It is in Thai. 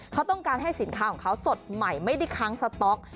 เขาต้องการให้สินค้าของเขาสดใหม่ไม่ได้ค้างสต๊อก